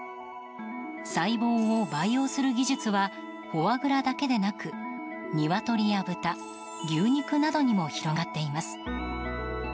細胞を培養する技術はフォアグラだけでなく鶏や豚、牛肉などにも広がっています。